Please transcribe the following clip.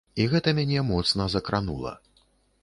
І гэта мяне моцна закранула.